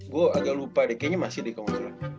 gue agak lupa deh kayaknya masih deh kalau gak salah